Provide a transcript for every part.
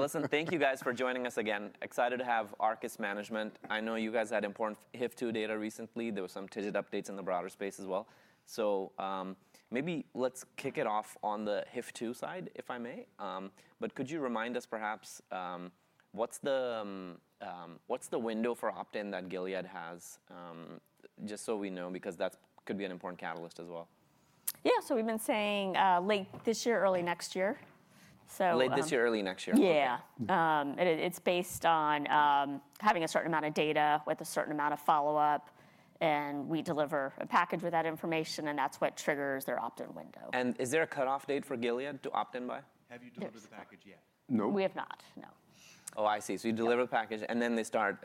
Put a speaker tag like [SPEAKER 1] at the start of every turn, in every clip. [SPEAKER 1] Listen, thank you guys for joining us again. Excited to have Arcus Management. I know you guys had important HIF-2 data recently. There were some tidbit updates in the broader space as well. Maybe let's kick it off on the HIF-2 side, if I may. Could you remind us, perhaps, what's the window for opt-in that Gilead has, just so we know, because that could be an important catalyst as well?
[SPEAKER 2] Yeah, so we've been saying late this year, early next year. Late this year, early next year. Yeah. It's based on having a certain amount of data with a certain amount of follow-up, and we deliver a package with that information, and that's what triggers their opt-in window. Is there a cutoff date for Gilead to opt-in by? Have you delivered the package yet? No. We have not, no. Oh, I see. So you deliver the package, and then they start.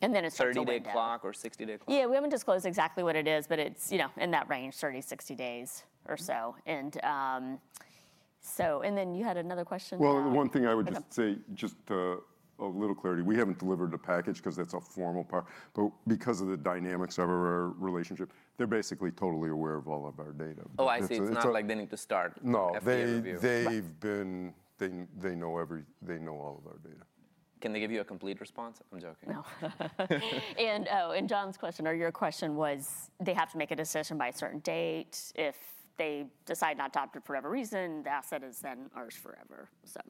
[SPEAKER 2] And then it's disclosed. 30-day clock or 60-day clock? Yeah, we haven't disclosed exactly what it is, but it's in that range, 30-60 days or so. And then you had another question?
[SPEAKER 3] One thing I would just say, just a little clarity. We haven't delivered a package because that's a formal part. Because of the dynamics of our relationship, they're basically totally aware of all of our data. Oh, I see. So it's not like they need to start. No, they've been. They know all of our data. Can they give you a complete response? I'm joking.
[SPEAKER 2] No. And John's question, or your question, was they have to make a decision by a certain date. If they decide not to opt-in for whatever reason, the asset is then ours forever. So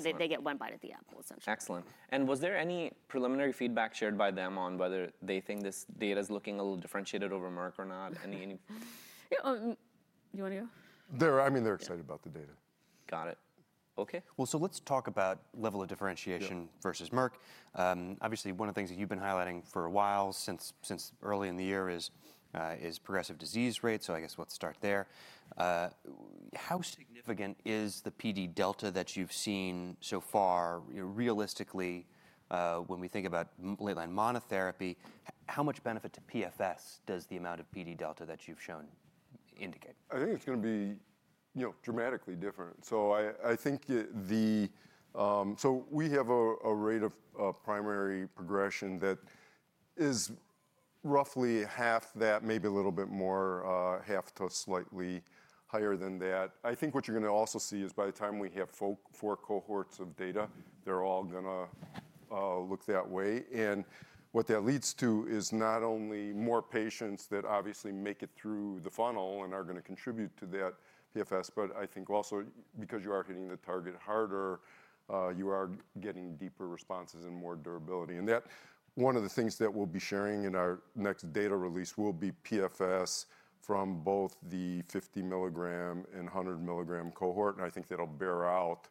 [SPEAKER 2] they get one bite at the apple, essentially. Excellent. And was there any preliminary feedback shared by them on whether they think this data is looking a little differentiated over Merck or not? Any? Yeah. Do you want to go?
[SPEAKER 3] I mean, they're excited about the data. Got it. OK. Let's talk about level of differentiation versus Merck. Obviously, one of the things that you've been highlighting for a while since early in the year is progressive disease rates. I guess let's start there. How significant is the PD delta that you've seen so far? Realistically, when we think about late-line monotherapy, how much benefit to PFS does the amount of PD delta that you've shown indicate? I think it's going to be dramatically different, so I think we have a rate of primary progression that is roughly half that, maybe a little bit more, half to slightly higher than that. I think what you're going to also see is by the time we have four cohorts of data, they're all going to look that way. And what that leads to is not only more patients that obviously make it through the funnel and are going to contribute to that PFS, but I think also because you are hitting the target harder, you are getting deeper responses and more durability. And one of the things that we'll be sharing in our next data release will be PFS from both the 50 milligram and 100 milligram cohort. And I think that'll bear out.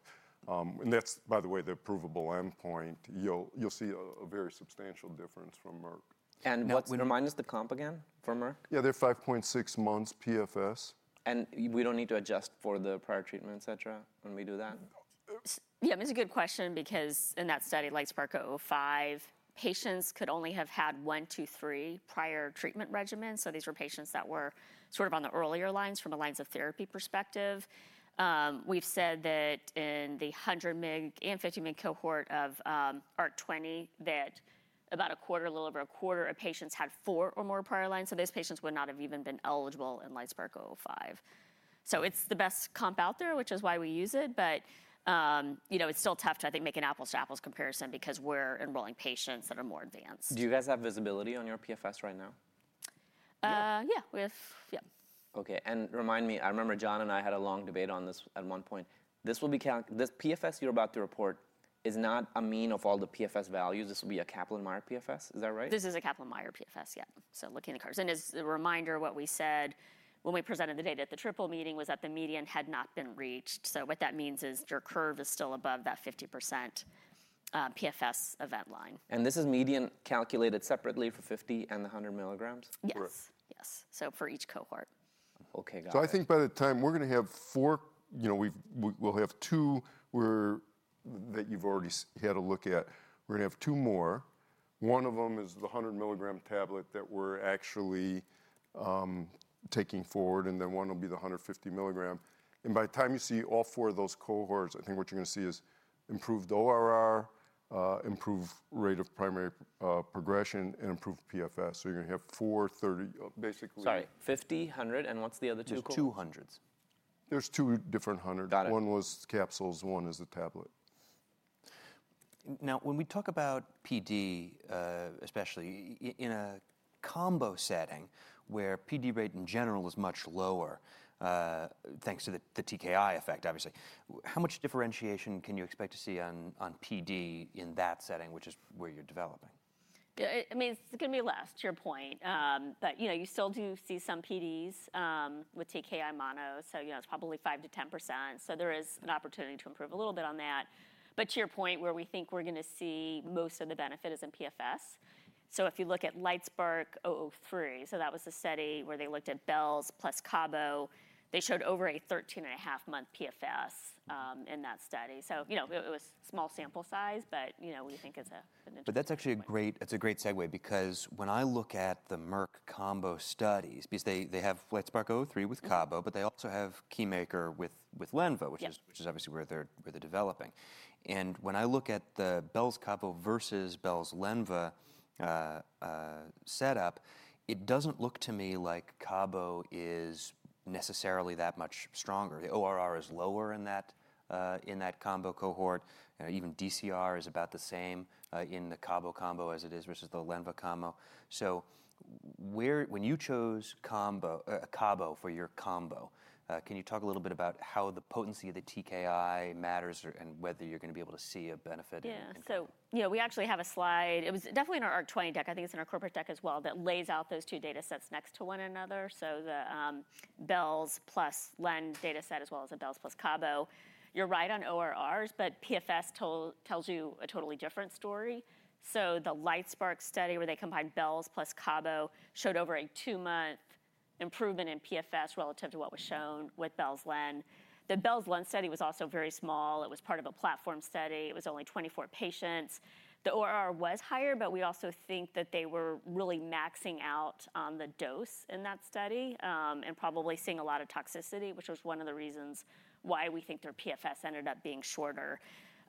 [SPEAKER 3] And that's, by the way, the provable endpoint. You'll see a very substantial difference from Merck. Remind us the comp again for Merck. Yeah, they're 5.6 months PFS. We don't need to adjust for the prior treatment, et cetera, when we do that?
[SPEAKER 2] Yeah, it's a good question because in that study, like LITESPARK-005, patients could only have had one, two, three prior treatment regimens. So these were patients that were sort of on the earlier lines from a lines of therapy perspective. We've said that in the 100 mg and 50 mg cohort of ARC-20, that about a quarter, a little over a quarter of patients had four or more prior lines. So those patients would not have even been eligible in LITESPARK-005. So it's the best comp out there, which is why we use it. But it's still tough to, I think, make an apples-to-apples comparison because we're enrolling patients that are more advanced. Do you guys have visibility on your PFS right now? Yeah, we have. Yeah. OK. And remind me, I remember John and I had a long debate on this at one point. This PFS you're about to report is not a mean of all the PFS values. This will be a Kaplan-Meier PFS. Is that right? This is a Kaplan-Meier PFS, yeah. So looking at the curves. And as a reminder, what we said when we presented the data at the Triple Meeting was that the median had not been reached. So what that means is your curve is still above that 50% PFS event line. This is median calculated separately for 50 and the 100 milligrams group? Yes. Yes. So for each cohort. OK, got it.
[SPEAKER 3] So, I think by the time we're going to have four, we'll have two that you've already had a look at. We're going to have two more. One of them is the 100 milligram tablet that we're actually taking forward, and then one will be the 150 milligram. And by the time you see all four of those cohorts, I think what you're going to see is improved ORR, improved rate of primary progression, and improved PFS. So you're going to have four 30. Basically. Sorry, 50, 100, and what's the other two cohorts? The two 100s. There's two different 100s. One was capsules, one is a tablet. Now, when we talk about PD, especially in a combo setting where PD rate in general is much lower, thanks to the TKI effect, obviously, how much differentiation can you expect to see on PD in that setting, which is where you're developing?
[SPEAKER 2] I mean, it's going to be less, to your point. But you still do see some PDs with TKI mono. So it's probably 5%-10%. So there is an opportunity to improve a little bit on that. But to your point, where we think we're going to see most of the benefit is in PFS. So if you look at LITESPARK-003, so that was a study where they looked at belzutifan plus cabozantinib, they showed over a 13.5-month PFS in that study. So it was small sample size, but we think it's a. That's actually a great segue because when I look at the Merck combo studies, because they have LITESPARK-003 with Cabo, but they also have KEYMAKER with Lenva, which is obviously where they're developing. When I look at the Belz Cabo versus Belz Lenva setup, it doesn't look to me like Cabo is necessarily that much stronger. The ORR is lower in that combo cohort. Even DCR is about the same in the Cabo combo as it is versus the Lenva combo. When you chose Cabo for your combo, can you talk a little bit about how the potency of the TKI matters and whether you're going to be able to see a benefit in that? Yeah. So we actually have a slide. It was definitely in our ARC-20 deck. I think it's in our corporate deck as well that lays out those two data sets next to one another. So the Belz plus Len data set, as well as the Belz plus Cabo. You're right on ORRs, but PFS tells you a totally different story. So the LITESPARK study, where they combined Belz plus Cabo, showed over a two-month improvement in PFS relative to what was shown with Belz Len. The Belz Len study was also very small. It was part of a platform study. It was only 24 patients. The ORR was higher, but we also think that they were really maxing out on the dose in that study and probably seeing a lot of toxicity, which was one of the reasons why we think their PFS ended up being shorter.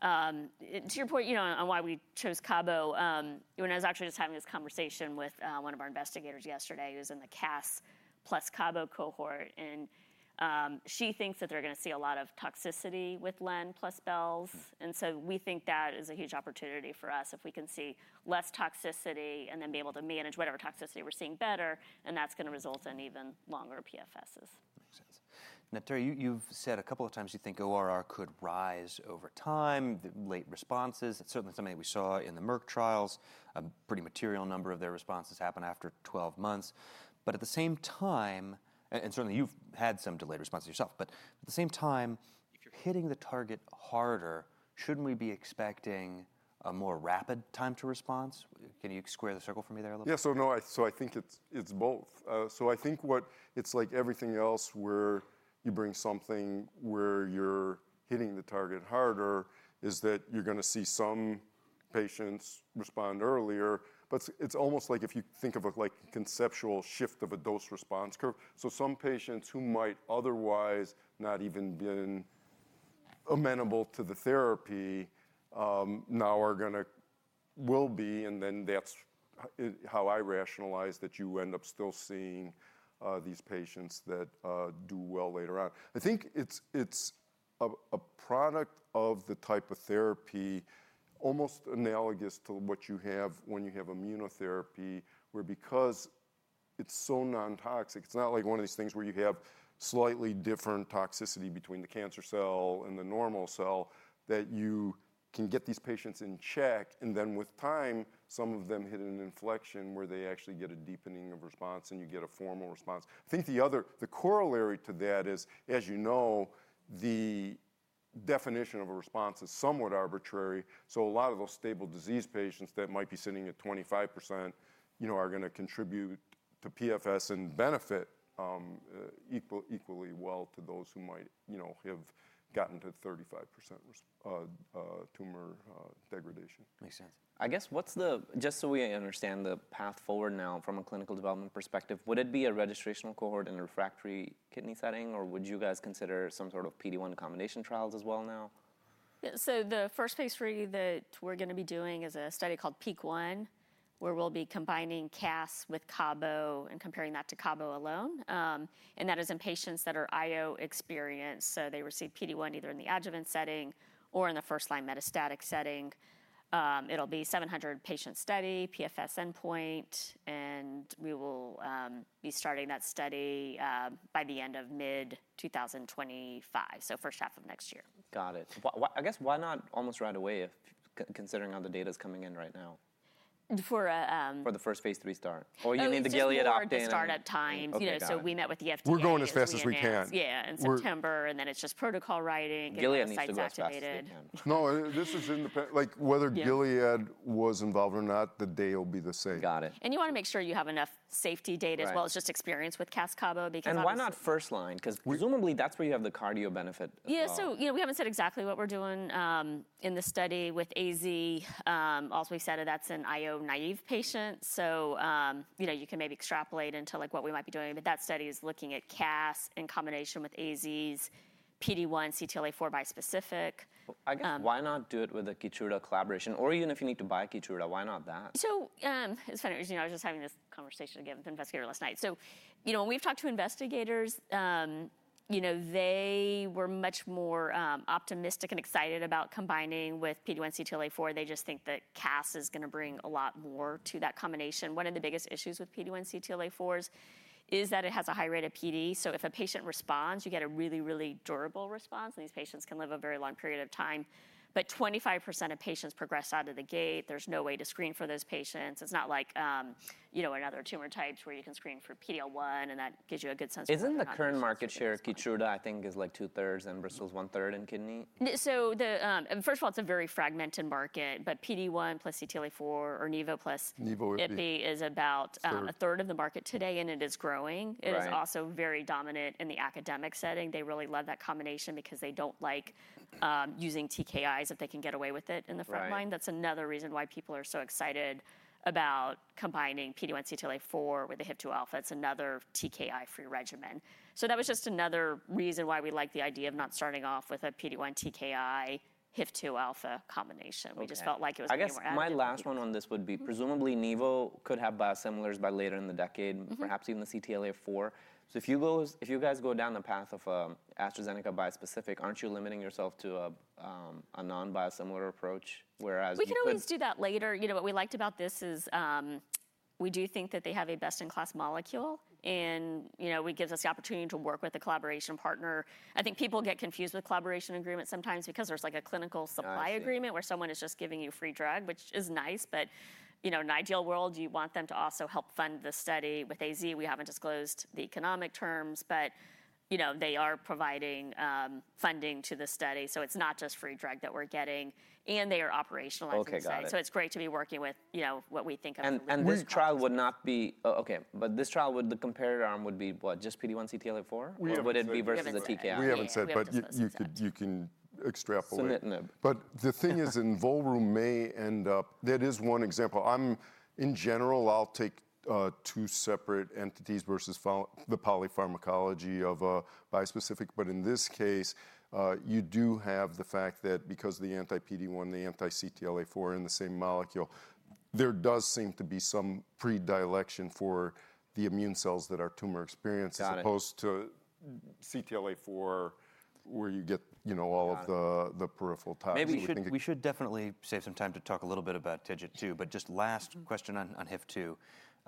[SPEAKER 2] To your point on why we chose Cabo, I was actually just having this conversation with one of our investigators yesterday who's in the Cass plus Cabo cohort, and she thinks that they're going to see a lot of toxicity with Len plus Belz, and so we think that is a huge opportunity for us if we can see less toxicity and then be able to manage whatever toxicity we're seeing better, and that's going to result in even longer PFSs. Makes sense. Now, Terry, you've said a couple of times you think ORR could rise over time, the late responses. It's certainly something we saw in the Merck trials. A pretty material number of their responses happen after 12 months. But at the same time, and certainly you've had some delayed responses yourself, but at the same time, if you're hitting the target harder, shouldn't we be expecting a more rapid time to response? Can you square the circle for me there a little bit?
[SPEAKER 3] Yeah, so no, I think it's both. So I think what it's like everything else where you bring something where you're hitting the target harder is that you're going to see some patients respond earlier. But it's almost like if you think of a conceptual shift of a dose response curve. So some patients who might otherwise not even have been amenable to the therapy now are going to be, and then that's how I rationalize that you end up still seeing these patients that do well later on. I think it's a product of the type of therapy almost analogous to what you have when you have immunotherapy, where because it's so non-toxic, it's not like one of these things where you have slightly different toxicity between the cancer cell and the normal cell that you can get these patients in check. Then with time, some of them hit an inflection where they actually get a deepening of response and you get a formal response. I think the corollary to that is, as you know, the definition of a response is somewhat arbitrary. So a lot of those stable disease patients that might be sitting at 25% are going to contribute to PFS and benefit equally well to those who might have gotten to 35% tumor degradation. Makes sense. I guess what's the, just so we understand the path forward now from a clinical development perspective, would it be a registrational cohort in a refractory kidney setting, or would you guys consider some sort of PD-1 combination trials as well now?
[SPEAKER 2] So the first phase III that we're going to be doing is a study called PEAK-1, where we'll be combining Cass with Cabo and comparing that to Cabo alone. And that is in patients that are IO experienced. So they receive PD-1 either in the adjuvant setting or in the first-line metastatic setting. It'll be a 700-patient study, PFS endpoint, and we will be starting that study by the end of mid-2025, so first half of next year. Got it. I guess why not almost right away, considering all the data is coming in right now? For a. For the first phase III start? Or you need the Gilead opt-in? We need the start dates. We met with the FDA.
[SPEAKER 3] We're going as fast as we can.
[SPEAKER 2] Yeah, in September, and then it's just protocol writing. Gilead needs to be activated.
[SPEAKER 3] No, this is independent. Whether Gilead was involved or not, the day will be the same. Got it.
[SPEAKER 2] And you want to make sure you have enough safety data as well as just experience with casdatifan Cabometyx. Why not first line? Because presumably that's where you have the cardio benefit. Yeah, so we haven't said exactly what we're doing in the study with AZ. Also, we said that that's an IO naive patient. So you can maybe extrapolate into what we might be doing. But that study is looking at Cass in combination with AZ's PD-1 CTLA-4 bispecific. I guess why not do it with a Keytruda collaboration? Or even if you need to buy Keytruda, why not that? So it's funny. I was just having this conversation again with the investigator last night. So when we've talked to investigators, they were much more optimistic and excited about combining with PD-1 CTLA-4. They just think that Cass is going to bring a lot more to that combination. One of the biggest issues with PD-1 CTLA-4 is that it has a high rate of PD. So if a patient responds, you get a really, really durable response. And these patients can live a very long period of time. But 25% of patients progress out of the gate. There's no way to screen for those patients. It's not like another tumor type where you can screen for PD-L1, and that gives you a good sense of. Isn't the current market share of Keytruda, I think, like two-thirds and Bristol's one-third in kidney? So first of all, it's a very fragmented market. But PD-1 plus CTLA-4 or Nivo plus Ipi is about a third of the market today, and it is growing. It is also very dominant in the academic setting. They really love that combination because they don't like using TKIs if they can get away with it in the front line. That's another reason why people are so excited about combining PD-1 CTLA-4 with the HIF-2alpha. It's another TKI-free regimen. So that was just another reason why we liked the idea of not starting off with a PD-1 TKI HIF-2alpha combination. We just felt like it was going to work. I guess my last one on this would be presumably Opdivo could have biosimilars by later in the decade, perhaps even the CTLA-4. So if you guys go down the path of AstraZeneca bispecific, aren't you limiting yourself to a non-biosimilar approach, whereas? We can always do that later. What we liked about this is we do think that they have a best-in-class molecule, and it gives us the opportunity to work with a collaboration partner. I think people get confused with collaboration agreements sometimes because there's like a clinical supply agreement where someone is just giving you free drug, which is nice. But in an ideal world, you want them to also help fund the study with AZ. We haven't disclosed the economic terms, but they are providing funding to the study. So it's not just free drug that we're getting, and they are operationalizing the study. So it's great to be working with what we think of as the best. And this trial would not be OK, but this trial, the comparator arm would be what, just PD-1 CTLA-4? Or would it be versus the TKI?
[SPEAKER 3] We haven't said, but you can extrapolate. But the thing is, involvement may end up. That is one example. In general, I'll take two separate entities versus the polypharmacology of a bispecific. But in this case, you do have the fact that because the anti-PD-1, the anti-CTLA-4 are in the same molecule, there does seem to be some predilection for the immune cells that are tumor-experienced as opposed to CTLA-4, where you get all of the peripheral toxicity. Maybe we should definitely save some time to talk a little bit about TIGIT too. But just last question on HIF-2.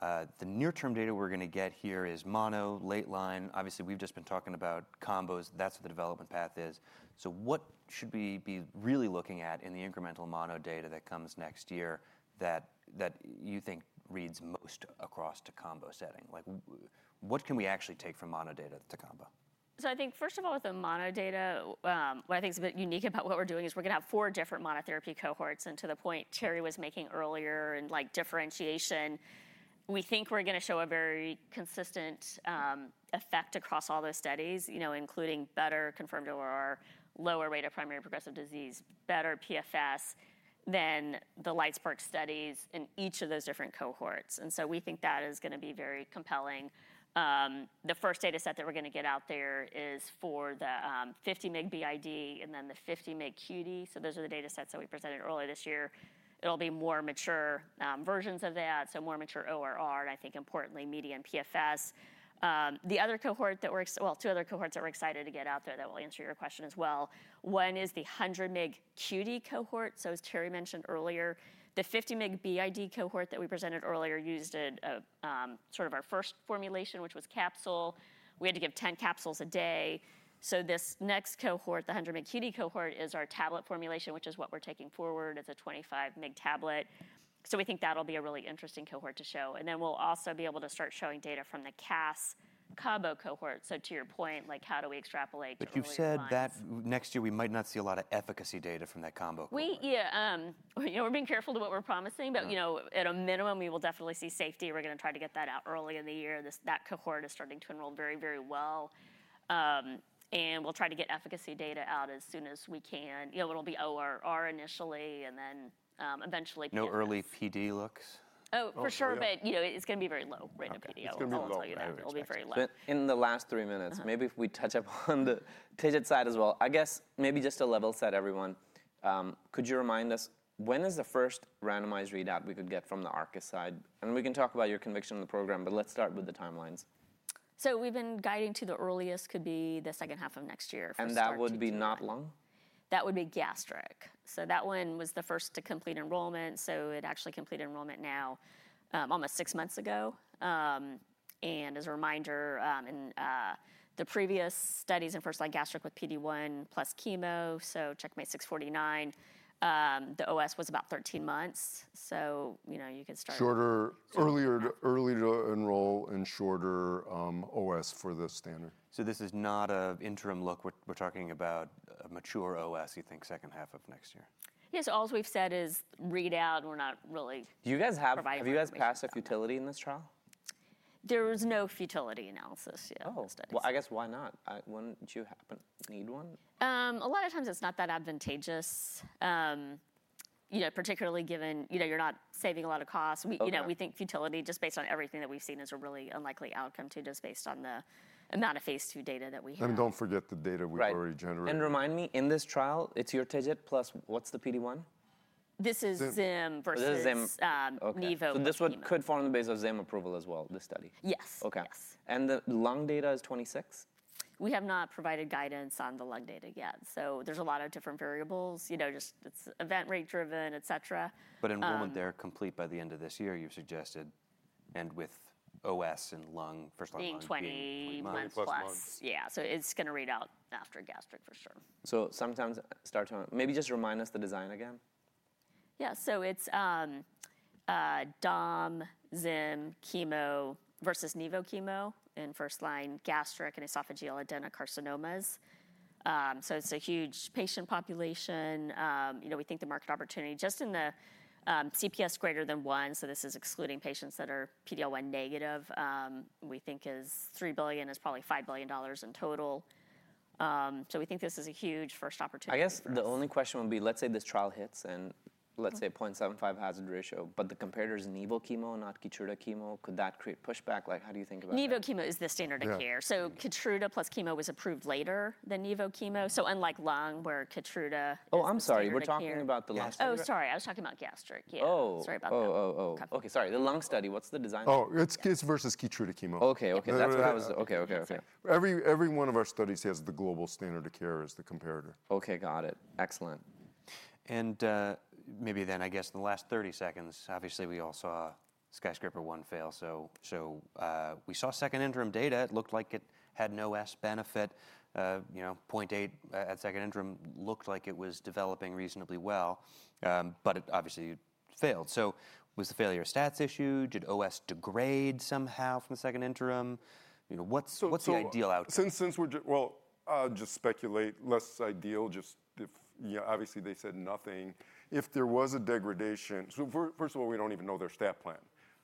[SPEAKER 3] The near-term data we're going to get here is mono, late line. Obviously, we've just been talking about combos. That's what the development path is. So what should we be really looking at in the incremental mono data that comes next year that you think reads most across to combo setting? What can we actually take from mono data to combo?
[SPEAKER 2] So I think, first of all, with the mono data, what I think is a bit unique about what we're doing is we're going to have four different monotherapy cohorts. And to the point Terry was making earlier in differentiation, we think we're going to show a very consistent effect across all those studies, including better confirmed ORR, lower rate of primary progressive disease, better PFS than the LITESPARK studies in each of those different cohorts. And so we think that is going to be very compelling. The first data set that we're going to get out there is for the 50 mg BID and then the 50 mg QD. So those are the data sets that we presented earlier this year. It'll be more mature versions of that, so more mature ORR, and I think, importantly, median PFS. Two other cohorts that we're excited to get out there that will answer your question as well. One is the 100 mg QD cohort. So as Terry mentioned earlier, the 50 mg BID cohort that we presented earlier used sort of our first formulation, which was capsule. We had to give 10 capsules a day. So this next cohort, the 100 mg QD cohort, is our tablet formulation, which is what we're taking forward. It's a 25 mg tablet. So we think that'll be a really interesting cohort to show. And then we'll also be able to start showing data from the casdatifan Cabometyx cohort. So to your point, how do we extrapolate to. But you've said that next year we might not see a lot of efficacy data from that combo cohort. Yeah. We're being careful to what we're promising, but at a minimum, we will definitely see safety. We're going to try to get that out early in the year. That cohort is starting to enroll very, very well, and we'll try to get efficacy data out as soon as we can. It'll be ORR initially, and then eventually. No early PD looks? Oh, for sure, but it's going to be very low rate of PD overall. It'll be very low. But in the last three minutes, maybe if we touch upon the TIGIT side as well. I guess maybe just a level set, everyone. Could you remind us, when is the first randomized readout we could get from the Arcus side? And we can talk about your conviction on the program, but let's start with the timelines. So we've been guiding to the earliest could be the second half of next year. That would be not long? That would be gastric. So that one was the first to complete enrollment. So it actually completed enrollment now almost six months ago. And as a reminder, in the previous studies and first-line gastric with PD-1 plus chemo, so CheckMate 649, the OS was about 13 months. So you can start.
[SPEAKER 3] Earlier to enroll and shorter OS for the standard. So this is not an interim look. We're talking about a mature OS, you think, second half of next year.
[SPEAKER 2] Yes, all we've said is readout. We're not really. Do you guys have passive utility in this trial? There was no futility analysis yet in the study. Well, I guess why not? Wouldn't you need one? A lot of times it's not that advantageous, particularly given you're not saving a lot of costs. We think futility, just based on everything that we've seen, is a really unlikely outcome too, just based on the amount of phase II data that we have.
[SPEAKER 3] Don't forget the data we've already generated. Remind me, in this trial, it's your TIGIT plus what's the PD-1?
[SPEAKER 2] This is Zim versus Nivo. This one could fall on the basis of Zim approval as well, this study? Yes. The lung data is 26? We have not provided guidance on the lung data yet. So there's a lot of different variables. It's event rate driven, et cetera. But enrollment there complete by the end of this year, you've suggested, and with OS and first-line lung tests. 20 months. Yeah, so it's going to read out after gastric for sure. So, to start, maybe just remind us of the design again. Yeah, so it's Dom, Zim, chemo versus Nivo chemo in first line gastric and esophageal adenocarcinomas. So it's a huge patient population. We think the market opportunity just in the CPS greater than one, so this is excluding patients that are PDL1 negative, we think is $3 billion, is probably $5 billion in total. So we think this is a huge first opportunity. I guess the only question would be, let's say this trial hits and let's say a 0.75 hazard ratio, but the comparator is Nivo chemo and not Keytruda chemo, could that create pushback? How do you think about that? Nivo chemo is the standard of care. So Keytruda plus chemo was approved later than Nivo chemo. So unlike lung where Keytruda. Oh, I'm sorry. We're talking about the last one. Oh, sorry. I was talking about gastric. Yeah, sorry about that. Oh. OK, sorry. The lung study, what's the design?
[SPEAKER 3] Oh, it's TIGIT versus Keytruda chemo. OK. That's what I was. Every one of our studies has the global standard of care as the comparator. OK, got it. Excellent. And maybe then, I guess in the last 30 seconds, obviously we all saw SKYSCRAPER-01 fail. So we saw second interim data. It looked like it had no OS benefit. 0.8 at second interim looked like it was developing reasonably well. But it obviously failed. So was the failure a stats issue? Did OS degrade somehow from the second interim? What's the ideal outcome? Since we're well, I'll just speculate. Less ideal, just obviously they said nothing. If there was a degradation, so first of all, we don't even know their stat plan.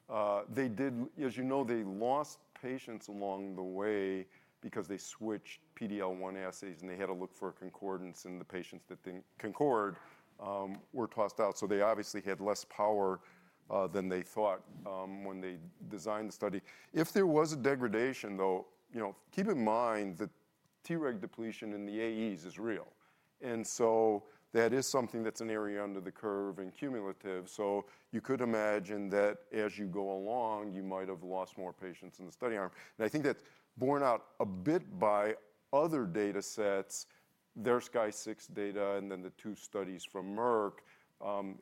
[SPEAKER 3] As you know, they lost patients along the way because they switched PD-L1 assays, and they had to look for concordance, and the patients that didn't concord were tossed out. So they obviously had less power than they thought when they designed the study. If there was a degradation, though, keep in mind that Treg depletion in the AEs is real. And so that is something that's an area under the curve and cumulative. So you could imagine that as you go along, you might have lost more patients in the study arm. And I think that's borne out a bit by other data sets, their Sky Six data and then the two studies from Merck.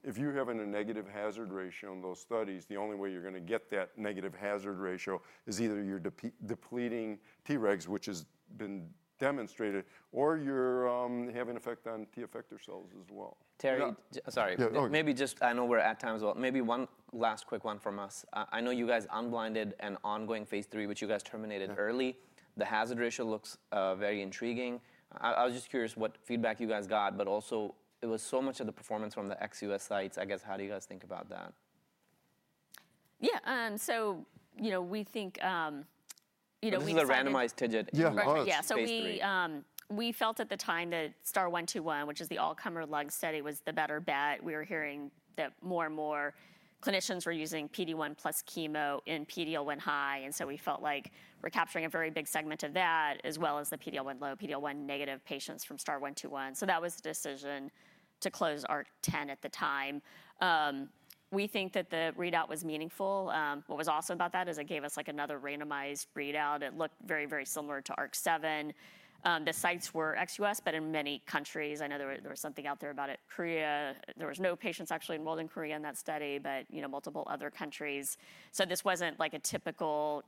[SPEAKER 3] If you're having a negative hazard ratio in those studies, the only way you're going to get that negative hazard ratio is either you're depleting Tregs, which has been demonstrated, or you're having an effect on T effector cells as well. Terry, sorry. Maybe just I know we're at time as well. Maybe one last quick one from us. I know you guys unblinded an ongoing phase III, which you guys terminated early. The hazard ratio looks very intriguing. I was just curious what feedback you guys got, but also it was so much of the performance from the ex-US sites. I guess how do you guys think about that?
[SPEAKER 2] Yeah, so we think. This is a randomized TIGIT. Yeah, so we felt at the time that STAR-121, which is the all-comer lung study, was the better bet. We were hearing that more and more clinicians were using PD-1 plus chemo in PD-L1 high. And so we felt like we're capturing a very big segment of that, as well as the PD-L1 low, PD-L1 negative patients from STAR-121. So that was the decision to close ARC-10 at the time. We think that the readout was meaningful. What was awesome about that is it gave us another randomized readout. It looked very, very similar to ARC-7. The sites were XUS, but in many countries. I know there was something out there about it, Korea. There were no patients actually enrolled in Korea in that study, but multiple other countries. So this wasn't like a typical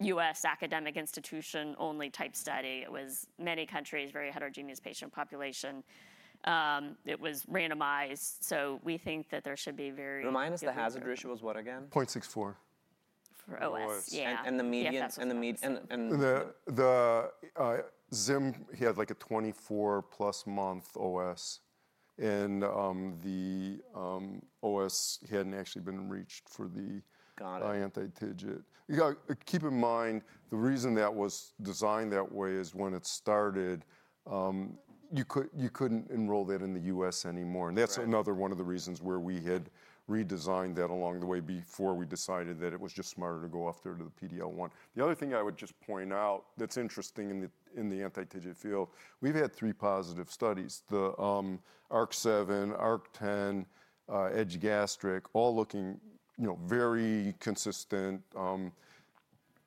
[SPEAKER 2] U.S. academic institution only type study. It was many countries, very heterogeneous patient population. It was randomized. So we think that there should be very. Remind us the hazard ratio was what again?
[SPEAKER 3] 0.64.
[SPEAKER 2] For OS. Yeah. The median?
[SPEAKER 3] Zim, he had like a 24-plus month OS. And the OS hadn't actually been reached for the anti-TIGIT. Keep in mind, the reason that was designed that way is when it started, you couldn't enroll that in the U.S. anymore. And that's another one of the reasons where we had redesigned that along the way before we decided that it was just smarter to go off there to the PD-L1. The other thing I would just point out that's interesting in the anti-TIGIT field, we've had three positive studies: the ARC-7, ARC-10, EDGE-Gastric, all looking very consistent.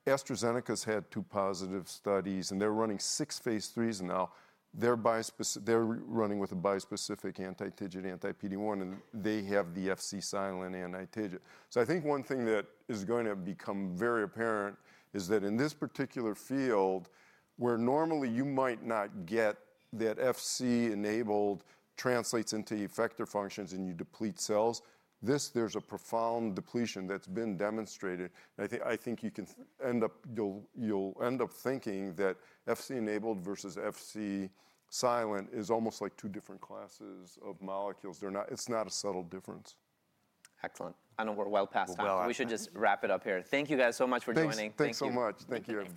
[SPEAKER 3] AstraZeneca has had two positive studies, and they're running six phase III. And now they're running with a bispecific anti-TIGIT, anti-PD-1, and they have the Fc-silent anti-TIGIT. I think one thing that is going to become very apparent is that in this particular field, where normally you might not get that Fc-enabled translates into effector functions and you deplete cells, there's a profound depletion that's been demonstrated. I think you can end up thinking that Fc-enabled versus Fc-silent is almost like two different classes of molecules. It's not a subtle difference. Excellent. I know we're well past time. We should just wrap it up here. Thank you guys so much for joining. Thank you so much. Thank you.